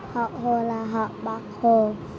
họ hồ là họ bác hồ